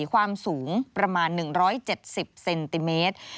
ความสูงประมาณ๑๗๐เซนติเมตร